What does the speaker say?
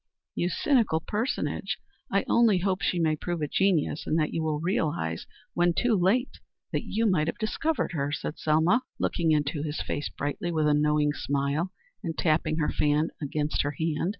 "You cynical personage! I only hope she may prove a genius and that you will realize when too late that you might have discovered her," said Selma, looking into his face brightly with a knowing smile and tapping her fan against her hand.